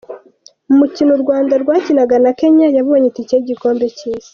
Mu mukino u Rwanda rwakinaga na Kenya yabonye itike y'igikombe cy'isi.